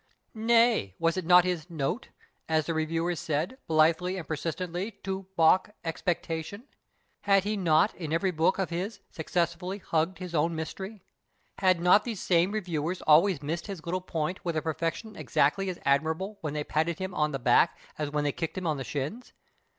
Nay, was it not his " note," as the reviewers said, blithely and persistently to balk " expectation "? Had he not in every book of his successfully hugged his own mystery ? Had not these same reviewers always missed his little point with a perfection exactly as admirable when they patted him on the back as when they kicked him on tlic shins